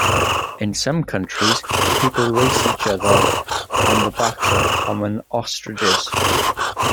In some countries, people race each other on the backs of common ostriches.